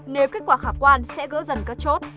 nếu kết quả khả quan sẽ gỡ dần các chốt